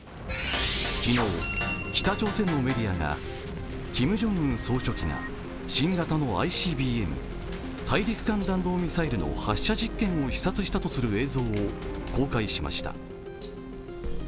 昨日、北朝鮮のメディアがキム・ジョンウン総書記が新型のＩＣＢＭ＝大陸間弾道ミサイルの発射実験を視察したとする映像を公開しました。